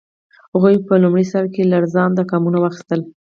هغوی په لومړي سر کې لړزانده ګامونه واخیستل.